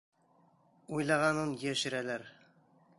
Уйлағанын йәшерәләр.